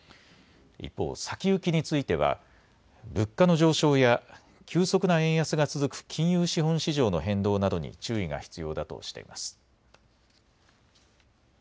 一方、先行きについては物価の上昇や急速な円安が続く金融資本市場の変動などに注意が必要だとしています。